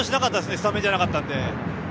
スタメンじゃなかったので。